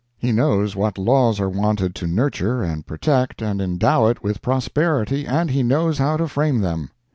He knows what laws are wanted to nurture, and protect, and endow it with prosperity, and he knows how to frame them.